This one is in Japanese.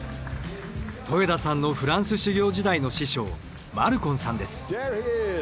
戸枝さんのフランス修行時代の師匠マルコンさんです。